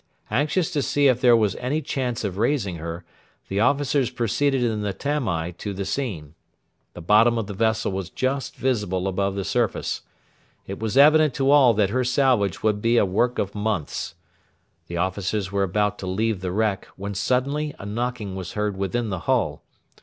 Anxious to see if there was any chance of raising her, the officers proceeded in the Tamai to the scene. The bottom of the vessel was just visible above the surface. It was evident to all that her salvage would be a work of months. The officers were about to leave the wreck, when suddenly a knocking was heard within the hull.